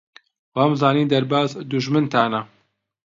وامزانی دەرباز دوژمنتانە.